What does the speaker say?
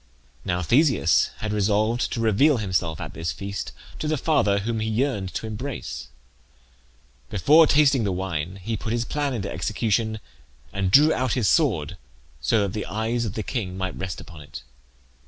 Now Theseus had resolved to reveal himself at this feast to the father whom he yearned to embrace. Before tasting the wine he put his plan into execution, and drew out his sword so that the eyes of the king might rest upon it.